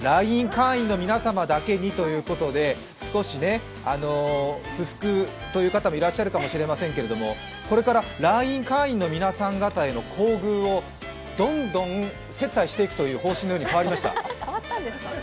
会員の皆さまだけにということで、少し不服という方もいらっしゃるかもしれませんけどこれからＬＩＮＥ会員の皆さん方への厚遇をどんどん接待していくという方針のように変わりました。